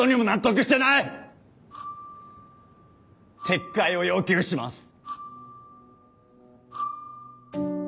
撤回を要求します！